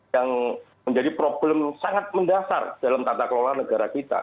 yang menjadi problem sangat mendasar dalam tata kelola negara kita